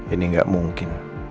ini tidak mungkin